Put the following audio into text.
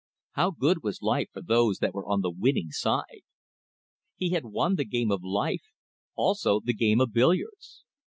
How good was life for those that were on the winning side! He had won the game of life; also the game of billiards.